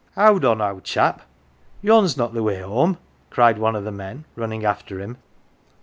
" Howd on, owd chap ! Yon's not the way home !" cried one of the men, running after him.